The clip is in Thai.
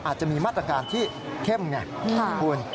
อาจจะมีมาตรการที่เข้มไงคุณ